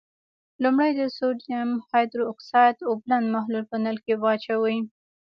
لومړی د سوډیم هایدرو اکسایډ اوبلن محلول په نل کې واچوئ.